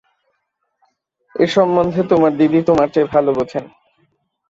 এ সম্মন্ধে তোমার দিদি তোমার চেয়ে ভালো বোঝেন।